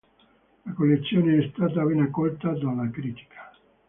La collezione è stata ben accolta dalla critica.